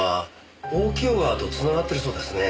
大清川とつながっているそうですね。